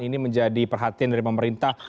ini menjadi perhatian dari pemerintah